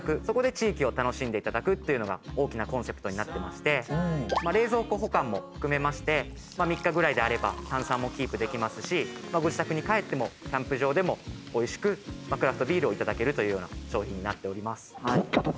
そこで地域を楽しんでいただくというのが大きなコンセプトになってまして冷蔵庫保管も含めまして３日ぐらいであれば炭酸もキープできますしご自宅に帰ってもキャンプ場でもおいしくクラフトビールをいただけるというような商品になっております。